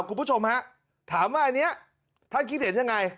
คุณผู้ชมฮะถามว่าอันนี้ท่านคิดเห็นยังไง